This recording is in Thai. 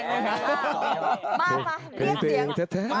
มาเรียกเสียง